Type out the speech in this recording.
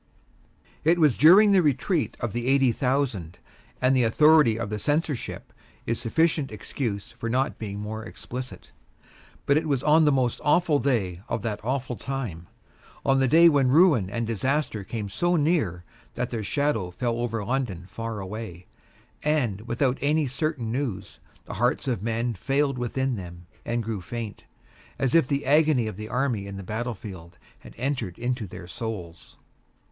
It was during the Retreat of the Eighty Thousand, and the authority of the Censorship is sufficient excuse for not being more explicit. But it was on the most awful day of that awful time, on the day when ruin and disaster came so near that their shadow fell over London far away; and, without any certain news, the hearts of men failed within them and grew faint; as if the agony of the army in the battlefield had entered into their souls.